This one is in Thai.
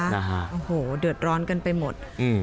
นะฮะโอ้โหเดือดร้อนกันไปหมดอืม